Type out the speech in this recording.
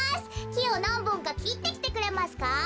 きをなんぼんかきってきてくれますか？